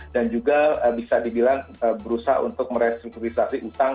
dan juga bisa dibilang berusaha untuk merestrukturisasi utang